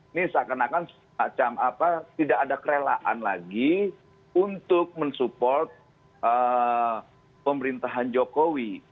ini seakan akan tidak ada kerelaan lagi untuk mensupport pemerintahan jokowi